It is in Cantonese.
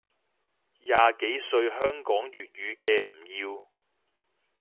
廿幾歲香港粵語嘅唔要